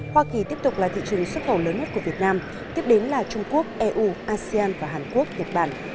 hoa kỳ tiếp tục là thị trường xuất khẩu lớn nhất của việt nam tiếp đến là trung quốc eu asean và hàn quốc nhật bản